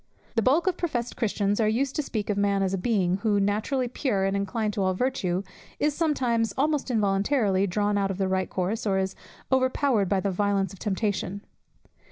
The bulk of professed Christians are used to speak of man as of a being, who, naturally pure, and inclined to all virtue, is sometimes, almost involuntary, drawn out of the right course, or is overpowered by the violence of temptation.